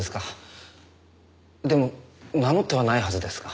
でも名乗ってはないはずですが。